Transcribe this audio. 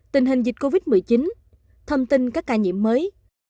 tình hình dịch covid một mươi chín thông tin các ca nhiễm mới